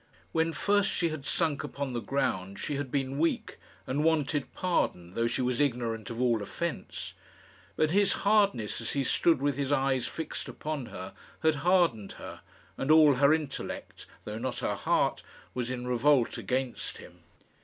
When first she had sunk upon the ground, she had been weak, and wanted pardon though she was ignorant of all offence; but his hardness, as he stood with his eyes fixed upon her, had hardened her, and all her intellect, though not her heart, was in revolt against him.